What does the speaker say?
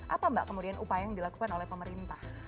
apa mbak kemudian upaya yang dilakukan oleh pemerintah